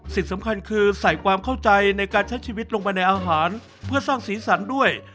สิ่งสำคัญคือใส่ความเข้าใจในการใช้ชีวิตลงไปในอาหารเพื่อสร้างสีสันด้วย